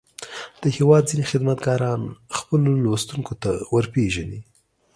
د هېواد ځينې خدمتګاران خپلو لوستونکو ته ور وپېژني.